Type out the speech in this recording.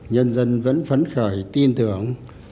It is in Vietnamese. nhân dân vẫn phấn khởi tin tưởng